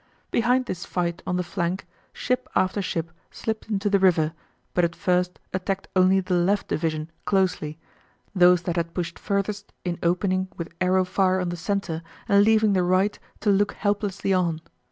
Behind this fight on the flank, ship after ship slipped into the river, but at first attacked only the left division closely, those that had pushed furthest in opening with arrow fire on the centre and leaving the right to look helplessly on.